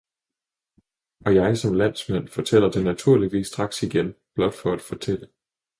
Og jeg, som landsmand, fortæller det naturligvis straks igen, blot for at fortælle.